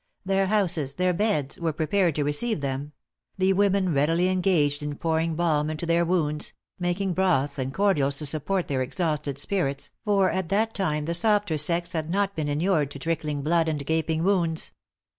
Their houses, their beds, were prepared to receive them; the women readily engaged in pouring balm into their wounds, making broths and cordials to support their exhausted spirits, for at that time the softer sex had not been inured to trickling blood and gaping wounds.